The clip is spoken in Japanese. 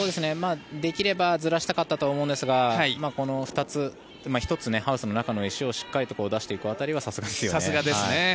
できればずらしたかったと思うんですがこの２つ、１つハウスの中の石をしっかり出していく辺りさすがですよね。